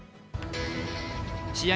試合